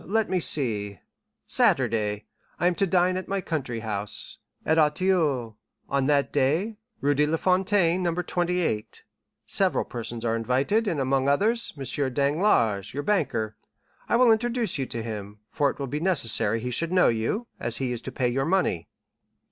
—Let me see—Saturday—I am to dine at my country house, at Auteuil, on that day, Rue de la Fontaine, No. 28. Several persons are invited, and among others, M. Danglars, your banker. I will introduce you to him, for it will be necessary he should know you, as he is to pay your money."